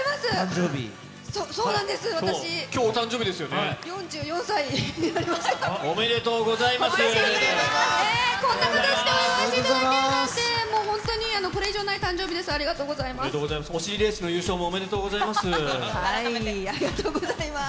ありがとうございます。